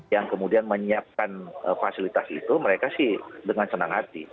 yang kemudian menyiapkan fasilitas itu mereka sih dengan senang hati